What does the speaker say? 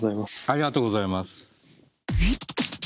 ありがとうございます。